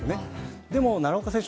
ただ、奈良岡選手